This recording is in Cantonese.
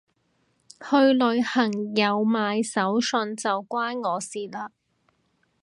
去旅行有買手信就關我事嘞